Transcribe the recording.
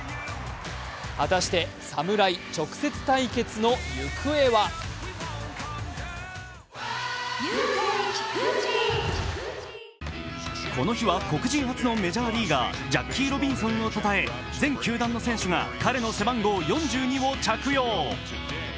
果たして侍直接対決の行方はこの日は黒人初のメジャーリーガー、ジャッキー・ロビンソンをたたえ全球団の選手が彼の背番号、４２番を着用。